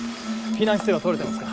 避難姿勢は取れてますか？